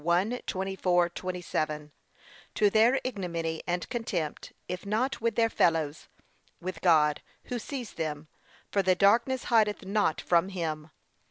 1:24, 27) to their ignominy and contempt, if not with their fellows et with God, who sees them, for the darkness hideth not from him.'